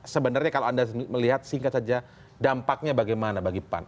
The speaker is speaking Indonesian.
sebenarnya kalau anda melihat singkat saja dampaknya bagaimana bagi pan